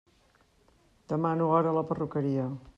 Demano hora a la perruqueria.